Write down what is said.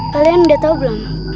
kalian udah tau belum